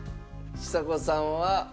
ちさ子さんは。